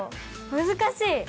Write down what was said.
難しい。